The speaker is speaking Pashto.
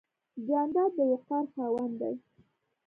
جانداد د وقار خاوند دی.